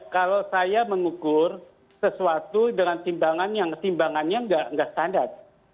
kalau saya mengukur sesuatu dengan timbangan yang timbangannya nggak standar